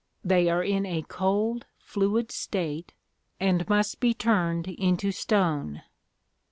They are in a cold fluid state, and must be turned into stone.